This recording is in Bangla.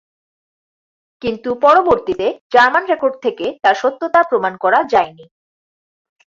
কিন্তু পরবর্তীতে জার্মান রেকর্ড থেকে তার সত্যতা প্রমাণ করা যায়নি।